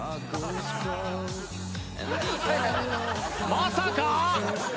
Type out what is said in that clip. まさか？